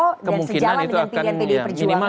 dan sejalan dengan pilihan pdi perjuangan